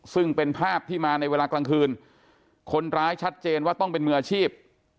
ซึ่งเป็นภาพที่มาในเวลากลางคืนคนร้ายชัดเจนว่าต้องเป็นมืออาชีพ